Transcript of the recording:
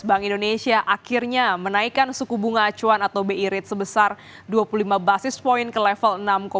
bank indonesia akhirnya menaikkan suku bunga acuan atau bi rate sebesar dua puluh lima basis point ke level enam tujuh